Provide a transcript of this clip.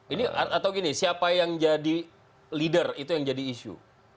ini atau gini siapa yang jadi leader itu yang jadi isu